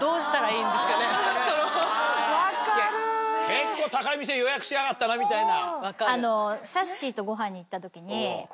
結構高い店予約しやがったなみたいな？